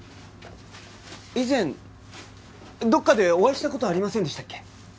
以前どっかでお会いした事ありませんでしたっけ？